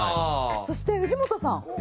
そして藤本さん。